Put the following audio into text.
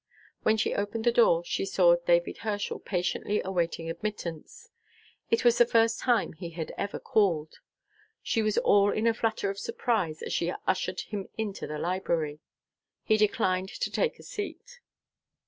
When she opened the door she saw David Herschel patiently awaiting admittance. It was the first time he had ever called. She was all in a flutter of surprise as she ushered him into the library. He declined to take a seat.